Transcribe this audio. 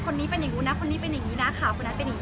คนนี้เป็นอย่างนู้นนะคนนี้เป็นอย่างนี้นะข่าวคนนั้นเป็นอย่างนี้